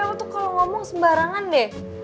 lu tuh kalo ngomong sembarangan deh